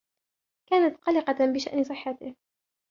كانت قلقة بشأن صحته.